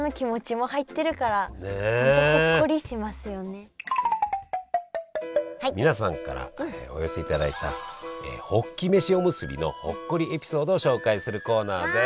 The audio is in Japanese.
そして皆さんからお寄せいただいたホッキ飯おむすびのほっこりエピソードを紹介するコーナーです。